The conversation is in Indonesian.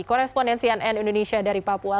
korespondensian n indonesia dari papua